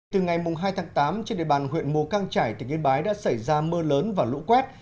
từ ngày hai tháng tám trên địa bàn huyện mù căng trải tỉnh yên bái đã xảy ra mưa lớn và lũ quét